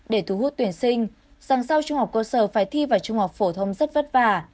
để thu hút tuyển sinh rằng sau trung học cơ sở phải thi vào trung học phổ thông rất vất vả